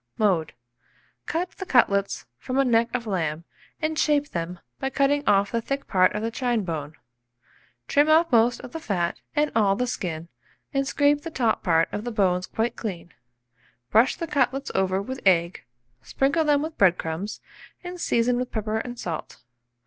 Mode. Cut the cutlets from a neck of lamb, and shape them by cutting off the thick part of the chine bone. Trim off most of the fat and all the skin, and scrape the top part of the bones quite clean. Brush the cutlets over with egg, sprinkle them with bread crumbs, and season with pepper and salt.